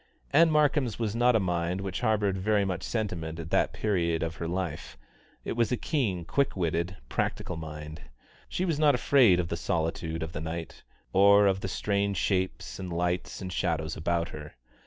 Ann Markham's was not a mind which harboured very much sentiment at that period of her life; it was a keen, quick witted, practical mind. She was not afraid of the solitude of the night, or of the strange shapes and lights and shadows about her.